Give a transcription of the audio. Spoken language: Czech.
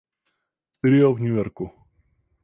Studio v New Yorku.